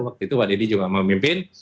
waktu itu pak deddy juga memimpin